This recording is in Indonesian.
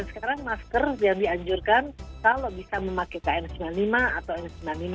dan sekarang masker yang dianjurkan kalau bisa memakai kn sembilan puluh lima atau n sembilan puluh lima